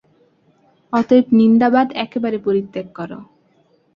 অতএব নিন্দাবাদ একেবারে পরিত্যাগ কর।